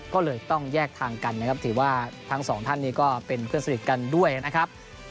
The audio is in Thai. ก็เลยต้องแยกทางกันนะครับถือว่าทั้งสองท่านนี้ก็เป็นเพื่อนสนิทกันด้วยนะครับ